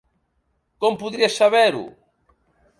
Com podries saber-ho?